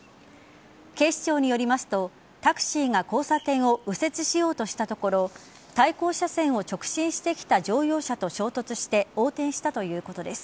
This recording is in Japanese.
警視庁によりますとタクシーが交差点を右折しようとしたところ対向車線を直進してきた乗用車と衝突して横転したということです。